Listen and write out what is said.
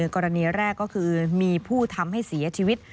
กรณีแรกก็คือมีผู้ทำให้เสียชีวิต